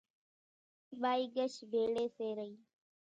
ٻائِي ڳش ڀيڙيَ سي رئِي۔